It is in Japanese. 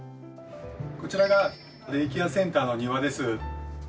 こちらがデイケアセンターの庭です。